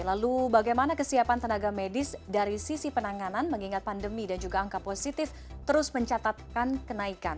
lalu bagaimana kesiapan tenaga medis dari sisi penanganan mengingat pandemi dan juga angka positif terus mencatatkan kenaikan